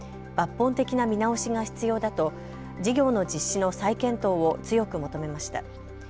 抜本的な見直しが必要だと事業の実施の再検討を強く求めました。